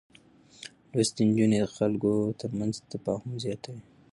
لوستې نجونې د خلکو ترمنځ تفاهم زياتوي.